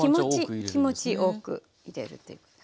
気持ち多く入れるということ。